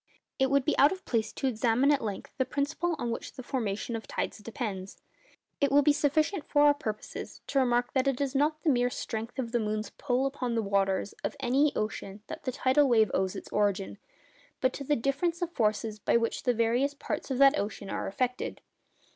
It would be out of place to examine at length the principle on which the formation of tides depends. It will be sufficient for our purposes to remark that it is not to the mere strength of the moon's 'pull' upon the waters of any ocean that the tidal wave owes its origin, but to the difference of the forces by which the various parts of that ocean are attracted.